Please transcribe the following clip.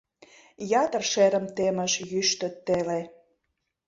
Ятыр шерым темыш йӱштӧ теле.